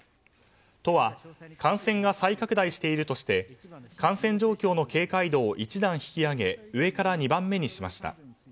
都は、感染が再拡大しているとして感染状況の警戒度を１段引き上げ上から２番目にしました。